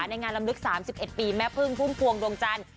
ในงานลำลึก๓๑ปีแม่พึ่งพุ่มพวงดวงจันทร์